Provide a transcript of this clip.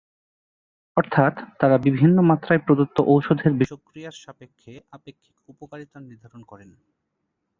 অর্থাৎ তারা বিভিন্ন মাত্রায় প্রদত্ত ঔষধের বিষক্রিয়ার সাপেক্ষে আপেক্ষিক উপকারিতা নির্ধারণ করেন।